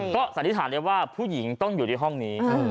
ก็สันนิษฐานได้ว่าผู้หญิงต้องอยู่ในห้องนี้